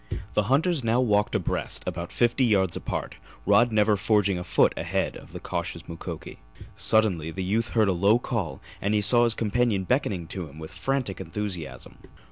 The hunters now walked abreast, about fifty yards apart, Rod never forging a foot ahead of the cautious Mukoki. Suddenly the youth heard a low call and he saw his companion beckoning to him with frantic enthusiasm.